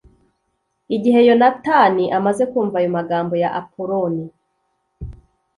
igihe yonatani amaze kumva ayo magambo ya apoloni